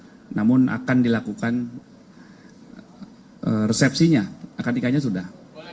akan nikah namun akan dilakukan resepsinya akan nikahnya sudah